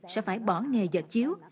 sẽ phải bỏ nghề dệt chiếu